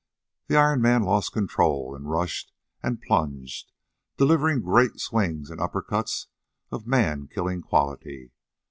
The Iron Man lost control, and rushed and plunged, delivering great swings and upper cuts of man killing quality.